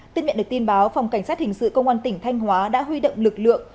tin miệng được tin báo phòng cảnh sát hình sự công an tỉnh thanh hóa đã huy động lực lượng